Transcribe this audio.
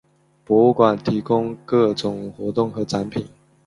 博物馆提供各种活动和展品。